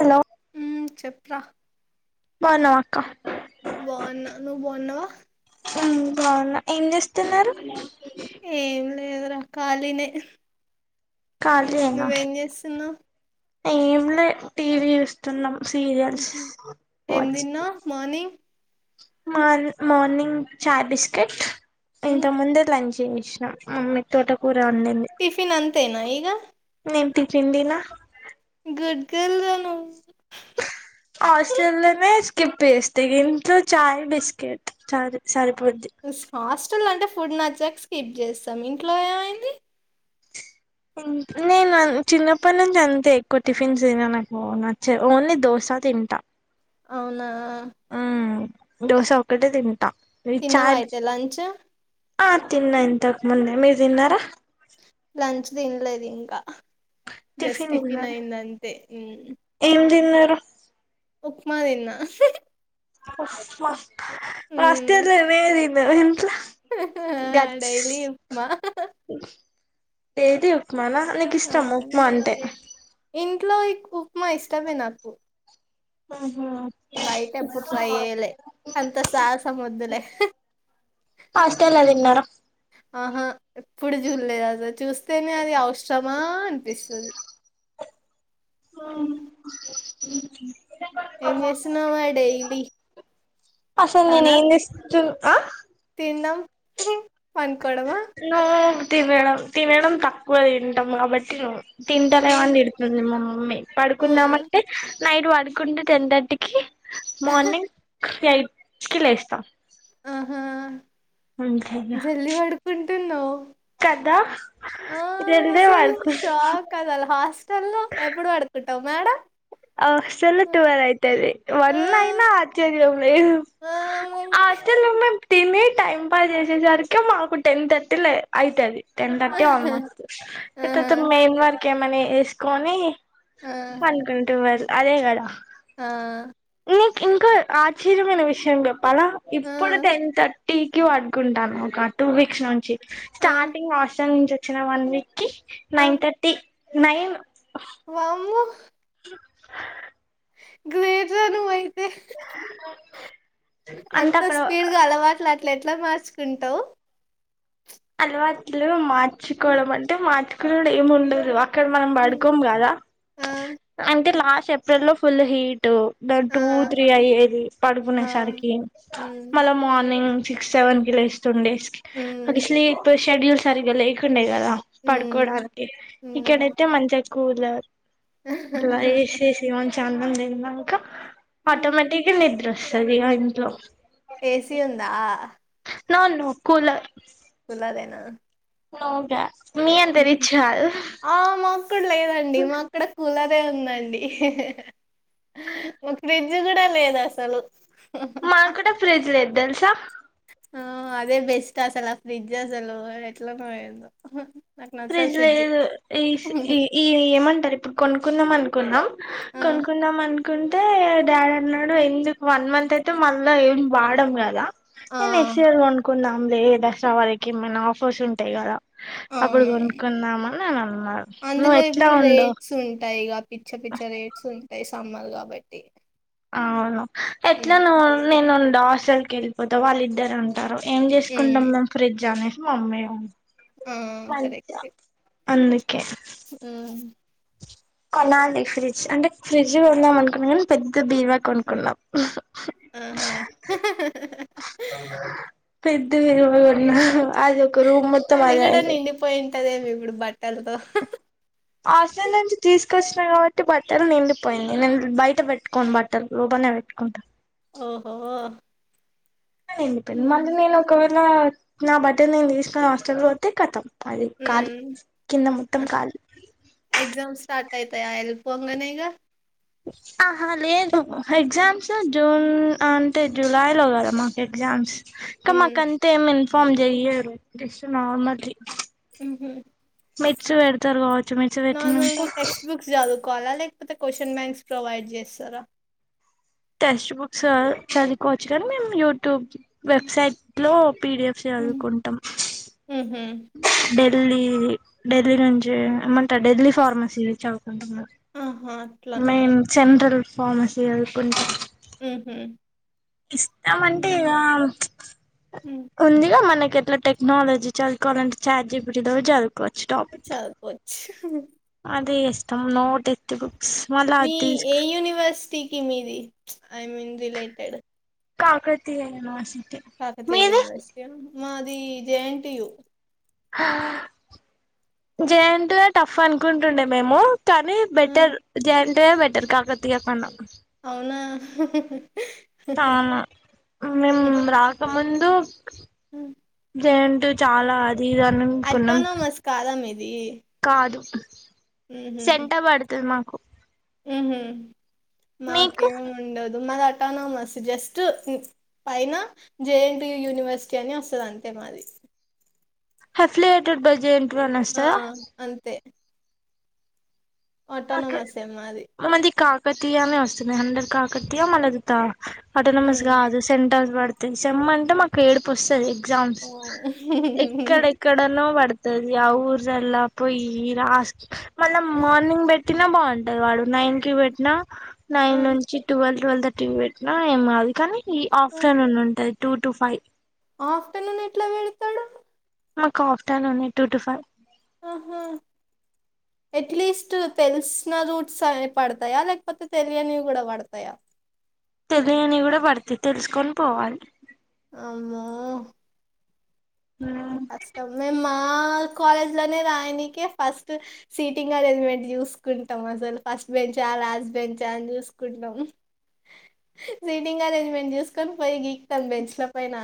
Hello ఉమ్ చెప్పు రా బాగున్నావా అక్క బాగున్నా నువ్వు బాగున్నావా ఉమ్ బావున్నా ఏం చేస్తున్నారు ఏం లేదురా ఖాలినే ఖాళీయేనా నువ్వెంచేస్తునవ్ ఏం లే టీవీ చూస్తున్నాం. సీరియల్స్ ఏం వాచ్ తిన్నావ్ మార్నింగ్ మార్ మార్నింగ్ చాయ్ బిస్కెట్ మ్మ్ ఇంత ముందే లంచ్ వేసిన అమ్మె తోట కూట్ టిఫిన్ అంతేనా ఇగ నేను టిఫిన్ తిన గుడ్ గర్ల్ రా నువ్వు ఆస్ట్రలనే స్కిప్ వేస్తే ఇంటిలో చాయ్ బిస్కెట్ చాదు సరి సరిపోద్ది ఉసు హాస్టల్ అంటే ఫుడ్ నచ్చాక స్కిప్ చేస్తాం ఇంట్లో ఏమైంది ఇన్ నేను చిన్నప్పటి నుంచి అంతే ఎక్కువ టిఫిన్స్ ఏమీ నాకు నచ్చవు ఓన్లీ దోశ ఆ తింట అవునా ఉ దోశ ఒక్కటే తిం తిన్నవయితే లంచు? ఆ తిన్నా ఇంతకు ముందే మీరు తిన్నారా? లంచ్ తినలేదు ఇంకా హా జస్ట టిఫిన్ అయ్యింది అంతే ఉ తిన్నరా? ఉప్మా తిన్న అహ్హ్ ఉప్మా హాస్టల్ లో ఇవే తిన్నం హిమ్ హే హా డెైలీ ఉప్మా అహ్హ్ డైలీ ఉప్మానా నీకు ఇష్టం ఉప్మా అంటే ఇంటిలో ఎక్కువ ఉప్మా ఇష్టమే నాకు ఉ బయట ఎపుడు ట్రై వేయలే అంత సాహసం వద్దులే హ్హ్ హాస్టల్ ఆహా ఎప్పుడు చూడలే అసలు చూస్తేనే అది అవసరమా అనిపిస్తది. ఉమ్ ఏం చేస్తున్నావ్ మరి డైలీ అసలు నేను తనా ఏం తెస్తను తినడం, పనుకోడమా నో తినడం తినడం తక్కువ తింటాం కాబట్టి నువ్వు తింటాలే ఆ అని తిడుతుంది మా మమ్మి మె ఆ పడుకుందామంటే నైట్ పడుకుంటే టెన్ థర్టీకి మార్నింగ్ ఎయిట్ కీ లేస్త ఆహా వంకాయ తిన్నో కదా ఆ జల్దీ అసలు పడుకు షాక్ అద అలా హాస్టల్ లో ఎప్పుడు పడుకుం టమేడ హాస్టల్ లో ట్వల్వ అయితది ఆ వన్ అయినా ఆచర్యం లేదు ఆ మరి హాస్టల్ లో ఉన్నట్ తిని టైం పాస్ చేసేసరికి మాకు టెన్ థర్టీలు ఆయి అయితాది టెన్ థర్టీ ఆల్మోస్ట్ ఆహా ఇతతు మెయిన్ వర్క్ ఎమియిన వేసుకొని ఆహా, పనుకుంటే వారు అదే కదా ఆ నీ ఇంకా ఆశ్చర్యమైన విషయం చెప్పాల ఆ ఇప్పుడు టెన్ థ టీ కి పడుకుంటాను ఒక టూ వీక్స్ నుంచి ఆ స్టార్టింగ్ హాస్టల్ నుంచి వచ్చిన వన్ వీక్ కి ఆ ఆ నైన్ థర్టీ నైన్ వామ్మో గిజదు వైప్ అంత స్పీడ్ గా అలవాట అట్ల ఎట్లా మార్చుకుంటవ్ అలవాట్లు మార్చుకోవడం అంటే మార్చుకోన్నడు ఏమి ఉండదు ఇక్కడ మనం పడుకోం కదా ఆ అంటే లాస్ట్ ఏప్రిల్లో ఫుల్ హీట్ ఆ టూ త్రీ అయ్యేది పడుకునే ఆ సరికి హ్మ్ మళ్ళా మార్నింగ్ సిక్స్ సెవెన్ కి లేస్తుండేస్ అది హ్మ్ స్లీప్ షెడ్యూల్ సరిగా లేకుండే కదా హ్మ్ పడుకోడానికి హ్మ్ ఇక్కడైతే మంచిగ స్కూల్ లైసిస మ చందం తిన్నాక హ్మ్ ఆటోమేటిక్గా నిద్ర వస్తది ఆ ఇంట్లో ఏసి ఉందా నొ నో కూల కులాదనా నోగా మీ అంతరిచ్చల్ ఆ మాకు లేదండి మాక్కుడ కూలర్ ఉందండి మా ఫ్రిడ్జ్ కూడా లేదు అసలు తెల్సా ఆ అదే బెస్ట్ అసలు ఆ ఫ్రిడ్జ్ అసలు ఎట్లనో ఏందో నాకు నచ్చదు ఫ్రిడ్జ్ లో ఈ ఈ ఏమంటరు ఇప్పుడు కొనుకుందాం అనుకుందం ఆ కొన్ కున్నా మన్ కుంటే డాడీ అన్నాడు ఎందుకు వన్ మంత్ అయితే మళ్ళ ఏం వాడం కదా ఆ నెక్స్ట్ ఇయర్ కొనుకుందాంలే దసరా వరకి ఏమైనా ఆఫర్స్ ఉంటాయి కదా అప్పుడు అవునవును. కొనుక్కున్నామని నేను అన్నారు నువ్వు ఎట్లా ఉండవు పిక్చ పిక్చ రేట్స్ ఉంటాయి సమ్మర్ కాబట్టి అవును ఎట్లా హ్మ్. నువ్వు నేను ఉండ హాస్టల్ కి వెళ్ళిపోతా వాళ్ళిద్దరు ఉం టారు ఏం చేసుకుంటాం హ్మ్. మేము ఫ్రిడ్జ్ అనేసి మా అమ్మయి ఊ అదే అందుకే ఆ కొనాలి ఫ్రిడ్జ్ అంటే ఫ్రిడ్జ్ కొందాం అనుకున్నా కానీ పెద్ద బీరువా కొనుకున్నాం ఆహా పెద్ద విరువ ఉన్న అది ఒక రూమ్ మొత్తం అదె అయింది ఉంటదేమి ఇప్పుడు బట్టలతో హాస్టల్ నుంచి తీసుకొచ్చినా కాబట్టి బట్టలు నిండిపోయింది నేను బయట పెట్టుకోను బట్టలు పెట్టుకుంటా ఓహో! నండిప్పండి హ్మ్. మళ్ళీ నేను ఒకవేళ నా బట్ట నేను తీసుకుని హాస్టల్లో పోతే కతం అది కాలు హ్మ్. కింద మొత్తం కాలు యితాయ ఎల్పు అంగనే ఈగ ఆహా లేదు ఎగ్జామ్స్ జూన్ అంటే జూలైలో కదా మాకు ఎగ్జామ్స్ కమ్ మా హ్మ్. కంత ఏం ఇన్ఫార్మ్ చెయ్య ఎస్ నార్మల్ హుహు. మిర్చి పెడతారు కావచ్చు మిర్చి పెట్టినంకు కోలా లేకపోతే క్వశ్చన్ మ్యాంక్స్ ప్రొవైడ్ చేస్తారా? టెక్స్ట్ బుక్స్ చదువుకోవచ్చు కానీ మేము యూట్యూబ్ వెబ్సైట్ లో పిడిఎఫ్ చదువుకుంటాం. అ ఢిల్లీ ఢిల్లీ నుంచి ఏమంటా ఢిల్లీ ఫార్మసీ చదువుకుంటన్న ఆహా! అట్లనా! మెయిన్ జెనరల్ ఫార్మసీ వెదుకుంటా ఉహు ఇస్తామంటే ఇగా హ్మ్. ఉందిగా మనకి ఎట్లా టెక్నాలజీ చదువుకోవాలింటే ఛార్జీబిటి తో చదువు చాలపోచ్చుహ్హ్ అదే ఎష్టం నోటిత్తుకు మీ ఏ యూనివర్సిటీకి మీది ప్చ్ I mean related Kakatiya university Kakatiya university ఆ మాది జేఎన్ టియు జెనటీయు యు టఫ్ అనుకుంటుండే మేము కానీ ఆ, బెటర్ జెన్టియు బెటర్ కాకతీయ కన్నా అవునా హ్హ్ చనా మేం రాకముం హమ్ జెన్టియు చాలా అది ఇది అ అనుకున్నాం అటానమస్ కాదా మీది కాదు ఉహు సెంటా బడుతది మా ఉహు మీకు మాకేం ఉండదు మాది అటానమస్ జస్ట్ ఉ పైన జేన్టియు యూనివర్సిటీ అని వస్తది అంతే మాది హెఫ్లియేటెడ్ బజ ఏంటిరా ఆ అనొస్తాయా అంతే మాకే అటానమసే మాది మది కా కాకతయనే వస్తది హండ్రెడ్ కాకతయ మళ్ళది త అటోనమస్ గాదు సె టన్ పడతి చెమ్ అంటే మాకు ఏడుపు వస్తది. గ్జమ్స్ ఉ ఎక్కడెక్కడన పడు ది ఆఊరల్ పోయి రాస్ మళ్ళ మార్నింగ్ బట్ తిన బావుంటది వాడు నైన్ కి పెట్టిన ఆ నైన్ నుంచి ట్వెల్ ట్వెల్వ్ థర్టీకి పెట్టినా ఏమదు కానీ ఈ ఆ ఆఫ్లైన్ ఉం ఉంటది టూ టు ఫైవ్ ఆఫ్టర్నూన్ ఎట్లా వెడతాడు. మాకు ఆఫ్టేర్నూన్ నే టూ టు ఫైవ్ ఓహా ఎట్లీస్ట్ తెలిసిన రూట్స్ అ పడతాయా, లేకపోతే తెలియనివి కూడా పడతాయా? తెలియనివి కూడా పడతయ్ తెలుసుకొని పోవాలి. అమ్మో కష్ట మేమా ఆ కాలేజ్ లోనే రాయనికే ఫస్ట్ సీటింగ్ అరేంజ్మెంట్ చూసుకుంటాం. అసలు ఫస్ట్ పెంచా లాస్ పెంచా అని చూసుకుంటాము. సీటింగ్ అరేంజ్మెంట్ చేూసుకొని పోయి గీక్తను బెంచ్ ల పైనా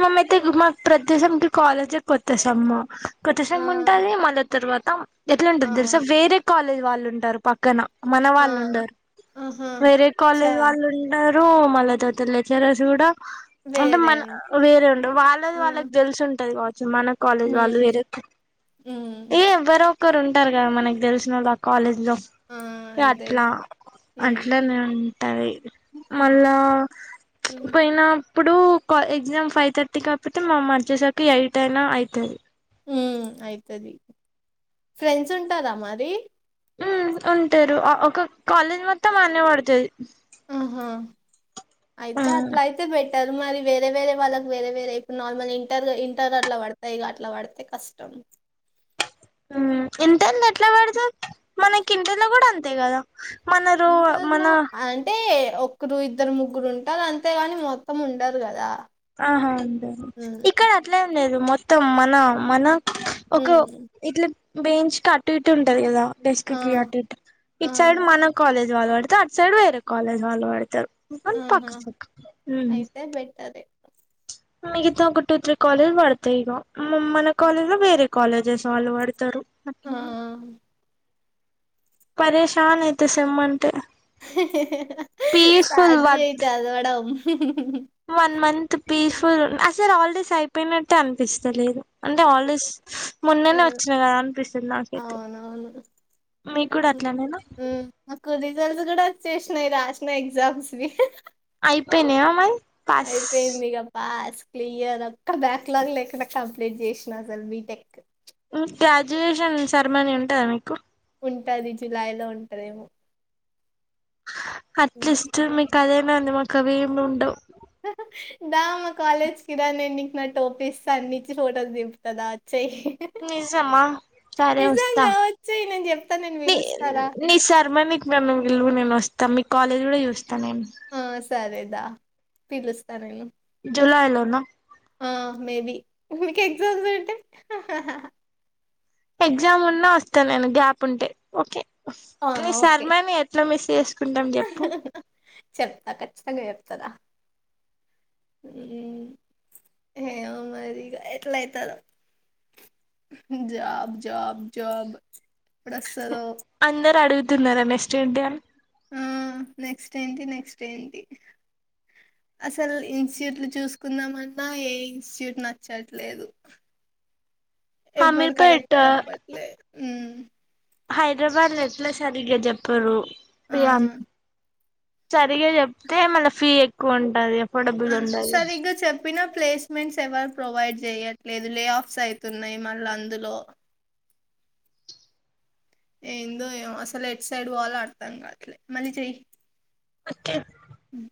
మమైతే మా ప్రదేశంకి కాలేజ్ కొత్త సమ్మ కొత్త ఆ సమ్ ఉంటది మళ్ళ తర్వాత ఎట్లాంటది తెలుసా అవును వేరే కాలేజ్ వాళ్ళు ఉంటారు పక్కన మన ఆ వాళ్ళు ఉండరు ఆహా వేరే చా కాలేజ్ వాళ్ళు ఉంటారు. న్ మల్ల తర్వాత లెక్చర్స్ కూడా అంటే వేరే మన వేరే ఉం వాళ్ళది ఆ వాళ్ళకి తెలుసు ఉంటది కా మన కాలేజ్ వాళ్ళు ఉమ్ ఏదో ఉమ్ ఏ ఎవరో ఒక్కరు ఉంటారు కదా మనకి తెలిసిన వాళ్ళు ఆ కాలేజ్ లో ఆ అట్లా అంతేగా ఉమ్ అట్లనే ఉంటాది మళ్ళా పోయినప్పుడు ఎగ్జామ్ ఫైవ్ థర్టీ కాబట్టి మా మధ్యసకి ఎయిట్ అయినా అవుతుంది ఉ అవుతుది ఫ్రెండ్స్ ఉంటారా మరి ఉంటారు ఒక కాలేజ్ మొత్తం ఆన్న పడుతుంది ఆహా అయితే అట్లా అయితే పెట్ ఇారు మరి వేరే వేరే వాళ్ళకి వేరే వేరే ఇప్పు నార్మల్ ఇంటర్గా ఇంటర్ అట్లా పడతాయి ఇక అట్లా పడితే కష్టం [inaudible] ఇంటర్లో ఎట్లా పెడతావ్ మనకి ఇంటర్లో కూడా అంతే కదా మన రో ఇంటర్ మన లో అంటే ఒక్కరు ఇద్దరు ముగ్గురు ఉంటారు అంతేగాని మొత్తం ఉండరు కదా ఆహా ఉంది హ్మ్ ఇక్కడ అట్లేం లేదు మొత్తం మన మన ఒక హ్మ్ ఇట్లా వేయించ్ కట్టు ఇట్టు ఉంటది కదా డెస్క్ ఆ కియట్ ఆ ఇటు సైడ్ మన కాలేజ్ వాళ్ళు వాడతారు అటు సైడ్ వేరే కాలేజ్ వాళ్ళు వాడతారు పక్క ఆహా పక్క అయితే బెటరే మిగతా ఒక టూ త్రీ కాలేజ్ పడతాయి ఇక మన కాలేజ్ లో వేరే కాలేజెస్ వాళ్ళు పడతారు ఆ ఎప్పుడు పేషాన్ అయితే సేమ్ అంటే పీస్ఫుల్ స్టార్ట్ చెయ్ వ చదవడం వన్ మంత్ పీస్ఫుల్ అసార్ హాలిడేస్ అయిపోయినట్టటు అనిపిస్తలేదు అంటే హాలిడేస్ మొన్నేనే హ్మ్ వచ్చినాయి కదా అనిపిస్తుంది నాకైతే అవునవును మీ కూడా అట్లానేేనా హ్మ్ మాకు రిజల్ట్స్ కూడా వచ్చేసినాయి రాసిన ఎగ్జామ్స్ ని అయిపోయినాయ మరి పాస్ అయిపోయిందిగా పాస్ క్లియర్ అక్క బ్యాక్లాగ్ లేకుండా కంప్లీట్ చేసినా సార్ బీటెక్ గ్రాడ్యుయేషన్ సర్మనీ ఉంటందా మీకు ఉంటది లిచి లైన్ లో ఉంటుందేమో అట్లీస్ట్ మీకు అదేనా ఉంది మాకు అవి ఏమి ఉండవు దా మా కాలేజ్ కిరా నేను ఇంక నా టోపిస్తా అన్నించి ఫోటోలు దిపుతందా నిజమా సారే వస్త నిజంగా వచ్చేయి నేను చెప్తా నేను పిలుస్తారా ని సర్ మ మీ మలు నేను వస్తా మీ కాలేజ్ కూడా చూస్తా నేను ఆ సరేదా పిలుస్తా నేను జులై లో నా ఆ మేబి మీకు ఎగ్జామ్స్ ఉంటే ఎగ్జామ్ ఉన్నా వస్తా నేను గ్యాప్ ఉంటే ఓకే ఆ నీ ఓకే శర్మని ఎట్లా మిస్ చేసుకుంటాం చెప్పు [inaudible] చెప్తా హ ఏమో మరి ఇగా అట్లయితాదో ఉమ్ జాబ్ జబ్ జాబ్ ఎప్పుడొస్తదో. తున్నర మేస్ట్ర డే అను. ఆహ్ నెక్స్ట్ ఏంటి నెక్స్ట్ ఏంటి. అసలు ఇన్స్టిట్యూట్లు చూసుకుందాంమన్నా ఏ ఇన్స్టిట్యూట్ నచ్చట్లేదు. [inaudible] ఎవ్వరూ కరెక్ట్ హమీర్పేట్ చెప్పట్లే ఉమ్. హైదరాబాద్ లో ఎట్లా సరిగ్గా చెప్పారు ఆ ఫ్రీ అని. ఫ్రీగా చెప్తే మళ్ళ ఫీ ఎక్కువ ఉంటది. అఫోర్డబుల్ ఉండదు సరిగ్గా చెప్పిన. ప్లేస్మెంట్స్ ఎవరు ప్రొవైడ్ చేయట్లేదు లే ఆఫ్స్ అవుతున్నాయి మళ్ళీ అందులో. ఏందో ఏమో అసలు ఎటు సైడ్ పోవాలో అర్థం కావట్లేదు మళ్ళీ చెయ్. ఉమ్.